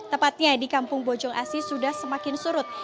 tepatnya di kampung bojong asi sudah semakin surut